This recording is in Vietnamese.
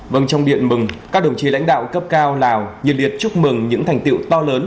vâng trong điện mừng các đồng chí lãnh đạo cấp cao lào nhiệt liệt chúc mừng những thành tiệu to lớn